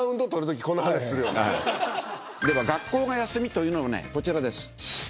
では学校が休みというのこちらです。